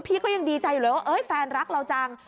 พี่ก็ยังดีใจเลยเอ้ยแฟนรักเราจัง